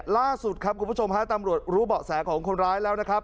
ล่าสุดครับคุณผู้ชมฮะตำรวจรู้เบาะแสของคนร้ายแล้วนะครับ